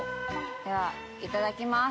ではいただきます。